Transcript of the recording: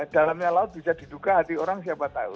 dalamnya laut bisa diduka hati orang siapa tahu